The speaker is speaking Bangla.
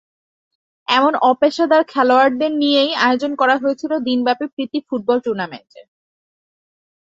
এমন অপেশাদার খেলোয়াড়দের নিয়েই আয়োজন করা হয়েছিল দিনব্যাপী প্রীতি ফুটবল টুর্নামেন্টের।